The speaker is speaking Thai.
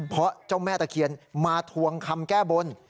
เพราะเจ้าแม่ตะเคียนมาทวงคำแก้บน